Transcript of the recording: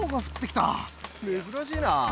珍しいな。